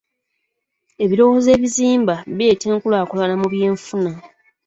Ebirowoozo ebizimba bireeta enkulaakulana mu by'enfuna.